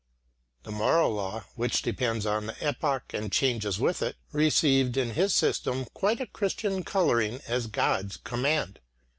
The moral law, which depends on the epoch and changes with it, received in his system quite a Christian colouring as God's command.